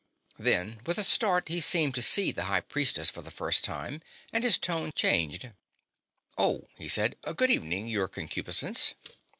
Then, with a start, he seemed to see the High Priestess for the first time, and his tone changed. "Oh," he said. "Good evening, Your Concupiscence."